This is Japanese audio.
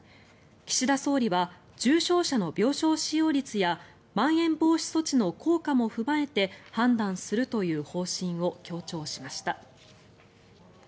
岸田総理は重症者の病床使用率やまん延防止措置の効果も踏まえて判断するという方針を強調しました。